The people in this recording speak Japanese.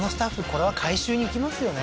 これは回収に行きますよね